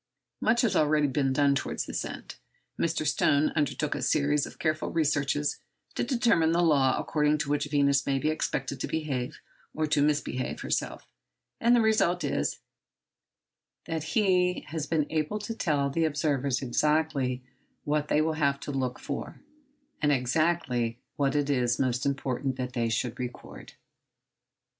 Much has already been done towards this end. Mr. Stone undertook a series of careful researches to determine the law according to which Venus may be expected to behave, or to misbehave herself; and the result is, that he has been able to tell the observers exactly what they will have to look for, and exactly what it is most important that they should record.